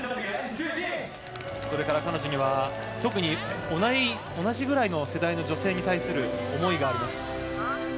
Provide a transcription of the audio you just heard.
彼女には特に同じくらいの世代の女性に対する思いがあります。